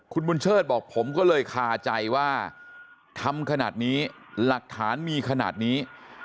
คุณบุญเชิดบอกผมก็เลยคาใจว่าทำขนาดนี้หลักฐานมีขนาดนี้